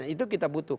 itu kita butuh